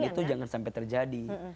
dan itu jangan sampai terjadi